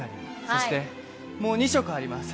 そして、もう２色あります。